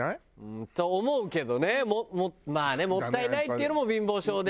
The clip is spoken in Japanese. まあねもったいないっていうのも貧乏性で。